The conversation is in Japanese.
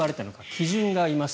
基準があります。